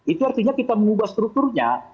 itu artinya kita mengubah strukturnya